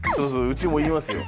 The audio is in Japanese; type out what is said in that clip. うちも言いますよ。